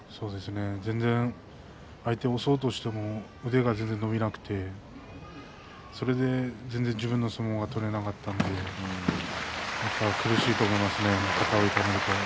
全然、相手を押そうとしても腕が全然伸びなくてそれで全然自分の相撲が取れなかったのでやっぱり苦しいと思いますね。